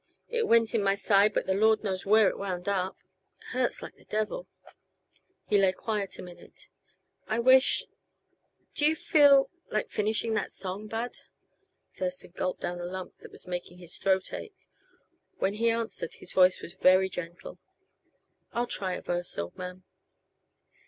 It went in my side but the Lord knows where it wound up. It hurts, like the devil." He lay quiet a minute. "I wish do yuh feel like finishing that song, Bud?" Thurston gulped down a lump that was making his throat ache. When he answered, his voice was very gentle: "I'll try a verse, old man."